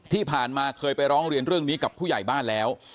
ที่ผ่านมาเคยไปร้องเรียนเรื่องนี้กับผู้ใหญ่บ้านแล้ว